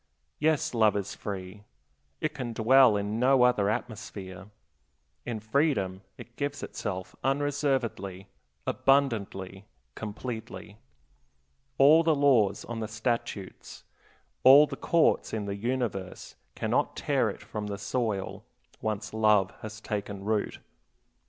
Yes, love is free; it can dwell in no other atmosphere. In freedom it gives itself unreservedly, abundantly, completely. All the laws on the statutes, all the courts in the universe, cannot tear it from the soil, once love has taken root.